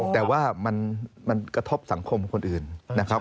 แต่ว่ามันกระทบสังคมคนอื่นนะครับ